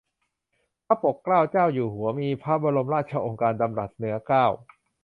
พระปกเกล้าเจ้าอยู่หัว มีพระบรมราชโองการดำรัสเหนือเกล้า